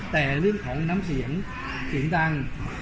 แต่เรื่องของน้ำเสียงเสียงดัง